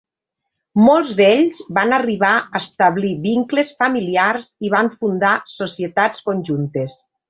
Molts d'ells van arribar a establir vincles familiars i van fundar societats conjuntes.